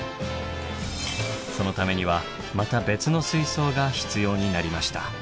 そのためにはまた別の水槽が必要になりました。